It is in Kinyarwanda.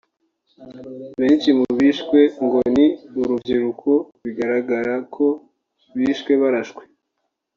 Benshi mu bishwe ngo ni urubyiruko bigaragara ko bishwe barashwe